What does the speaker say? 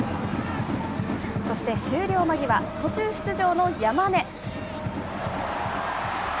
そして、終了間際、途中出場の山根。